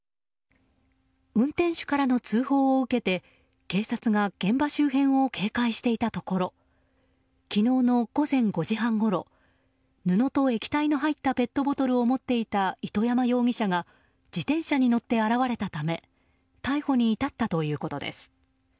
運転手からの通報を受けて警察が現場周辺を警戒していたところ昨日の午前５時半ごろ布と液体の入ったペットボトルを持っていた糸山容疑者が自転車に乗って現れたため逮捕に至ったということです。